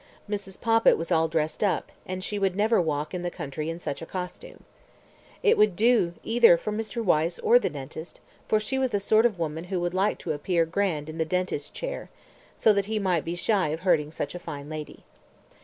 Mrs. Poppit was all dressed up, and she would never walk in the country in such a costume. It would do either for Mr. Wyse or the dentist, for she was the sort of woman who would like to appear grand in the dentist's chair, so that he might be shy of hurting such a fine lady.